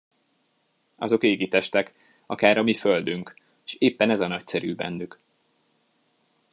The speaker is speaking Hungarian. Azok égitestek, akár a mi földünk, s éppen ez a nagyszerű bennük!